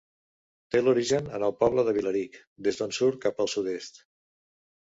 Té l'origen en el poble de Vilarig, des d'on surt cap al sud-est.